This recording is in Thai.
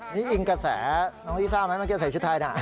นี่อิงกับแสน้องอีซ่าไหมมันก็จะใส่ชุดท้ายด่าน